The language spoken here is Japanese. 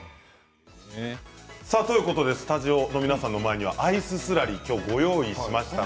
スタジオの皆さんの前にはアイススラリーを今日ご用意しました。